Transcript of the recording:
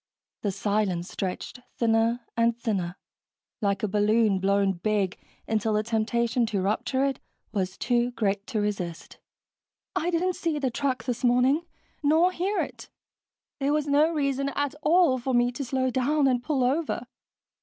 The silence stretched thinner and thinner, like a balloon blown big, until the temptation to rupture it was too great to resist. "I didn't see the truck this morning. Nor hear it. There was no reason at all for me to slow down and pull over."